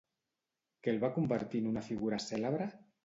Què el va convertir en una figura cèlebre?